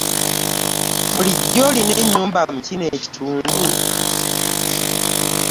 Bulijjo olina ennyumba mu kino ekitundu.